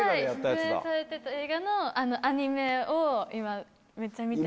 出演されてた映画のアニメを今めっちゃ見てて。